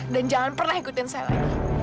dan jangan pernah ikutin saya lagi